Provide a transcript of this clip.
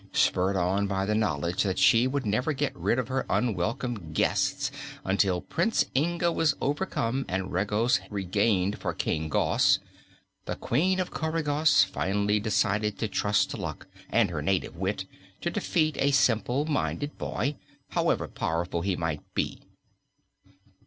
Spurred on by the knowledge that she would never get rid of her unwelcome guests until Prince Inga was overcome and Regos regained for King Gos, the Queen of Coregos finally decided to trust to luck and her native wit to defeat a simple minded boy, however powerful he might be.